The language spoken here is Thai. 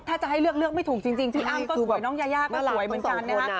ถ้าจะให้เลือกเลือกไม่ถูกจริงพี่อ้ำก็สวยน้องยายาก็สวยเหมือนกันนะคะ